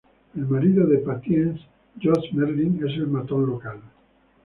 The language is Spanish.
El marido de Patience, Joss Merlyn, es el matón local.